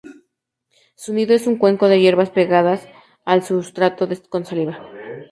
Su nido es un cuenco de hierbas pegadas al sustrato con saliva.